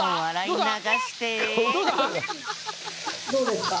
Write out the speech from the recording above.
どうですか？